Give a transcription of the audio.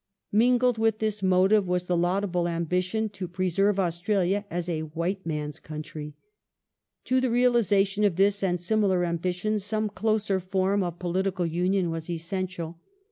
Mingled with this motive was the laudable ambition to preserve Australia as a white man's country. To the realization of this and similar ambitions some closer form of political union was essential.